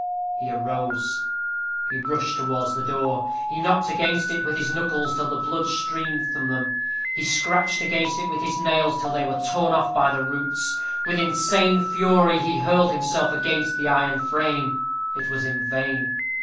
He arose. He rushed towards the door; he knocked against it with his knuckles till the blood streamed from them; he scratched against it with his nails till they were torn off by the roots. With insane fury he hurled himself against the iron frame; it was in vain.